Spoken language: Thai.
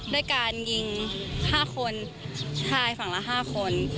ด้วยการยิง๕คนชายฝั่งละ๕คน